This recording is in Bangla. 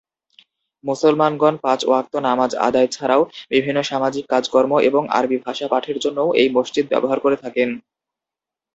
মুসলমানগণ পাঁচ ওয়াক্ত নামাজ আদায় ছাড়াও, বিভিন্ন সামাজিক কাজকর্ম এবং আরবি ভাষা পাঠের জন্যও এই মসজিদ ব্যবহার করে থাকেন।